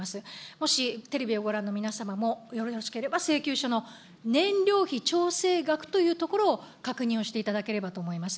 もしテレビをご覧の皆様も、よろしければ請求書の、燃料費調整額というところを確認をしていただければと思います。